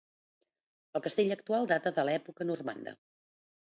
El castell actual data de l'època normanda.